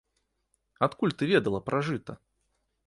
Адкуль ты ведала пра жыта?